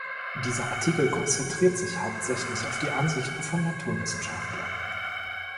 Dieser Artikel konzentriert sich hauptsächlich auf die Ansichten von Naturwissenschaftlern.